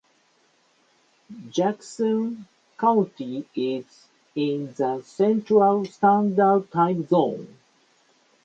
Jackson County is in the Central Standard Time Zone.